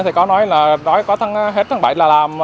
thì có nói là hết tháng bảy là làm